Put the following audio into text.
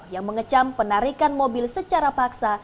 yang mengecam penarikan mobil secara paksa